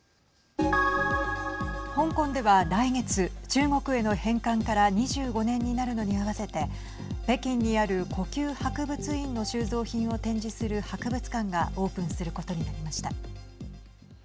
香港では来月、中国への返還から２５年になるのにあわせて北京にある故宮博物院の収蔵品を展示する博物館がオープンすることになりました。